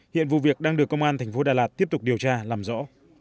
hiện vụ việc đang được công an thành phố đà lạt tiếp tục điều tra làm rõ